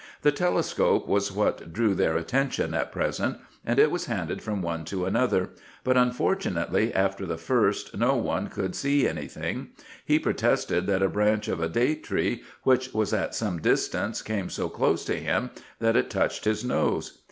The telescope was what drew their attention at present, and it was handed from one to another ; but unfortunately, after the first no one could see any thing ; he protested that a branch of a date tree, which was at some distance, came so close to him that it touched his nose.